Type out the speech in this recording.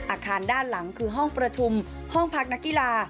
อาคารด้านหลังคือห้องประชุมห้องพักนักกีฬา